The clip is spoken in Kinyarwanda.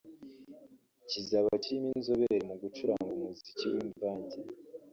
kizaba kirimo inzoberere mu gucuranga umuziki w’imvange